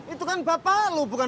itu kan bapak lu bukan